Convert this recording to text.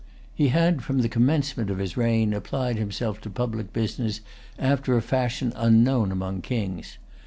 [Pg 271] He had, from the commencement of his reign, applied himself to public business after a fashion unknown among kings.